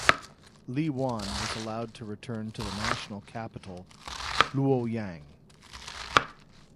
Li Wan was allowed to return to the national capital Luoyang.